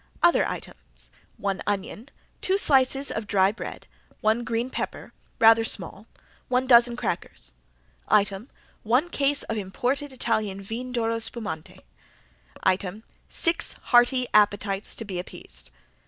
Other items one onion, two slices of dry bread, one green pepper, rather small, one dozen crackers. Item one case of imported Italian Vin d'Oro Spumanti. Item six hearty appetites to be appeased.